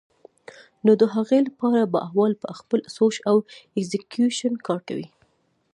نو د هغې له پاره به اول پۀ خپل سوچ او اېکزیکيوشن کار کوي